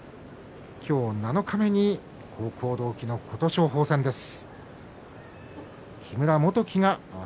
今日七日目に高校同期の琴勝峰戦です。